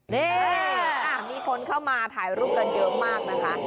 นี่มีคนเข้ามาถ่ายรูปกันเยอะมากนะคะ